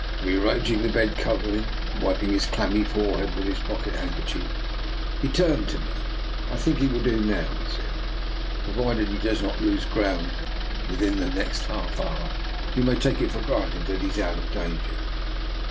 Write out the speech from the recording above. Rearranging the bed cov ering and wiping his clammy forehead with his pocket handkerchief, he turned to me. " I think he will do now,*' he said. " Pro vided he does not lose ground within the next half hour, we may take it for gpranted that he is out of danger."